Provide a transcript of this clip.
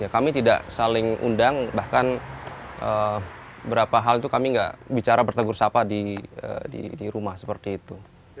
kami tidak saling undang bahkan beberapa hal itu kami tidak bicara bertegur sapa di rumah seperti itu